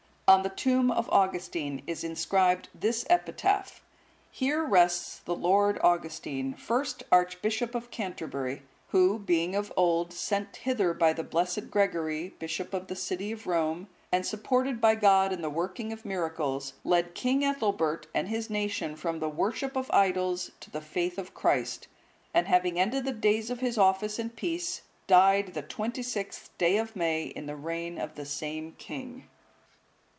On the tomb of Augustine is inscribed this epitaph: "Here rests the Lord Augustine, first Archbishop of Canterbury, who, being of old sent hither by the blessed Gregory, Bishop of the city of Rome, and supported by God in the working of miracles, led King Ethelbert and his nation from the worship of idols to the faith of Christ, and having ended the days of his office in peace, died the 26th day of May, in the reign of the same king."